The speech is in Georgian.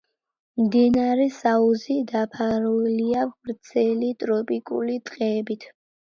მდინარის აუზი დაფარულია ვრცელი ტროპიკული ტყეებით.